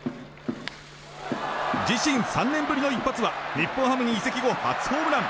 自身３年ぶりの一発は日本ハムに移籍後初ホームラン。